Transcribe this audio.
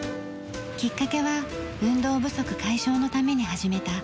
きっかけは運動不足解消のために始めた自転車通勤。